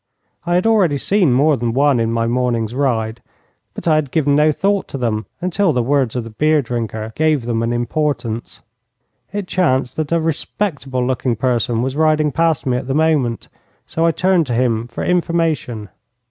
I had already seen more than one in my morning's ride, but I had given no thought to them until the words of the beer drinker gave them an importance. It chanced that a respectable looking person was riding past me at the moment, so I turned to him for information.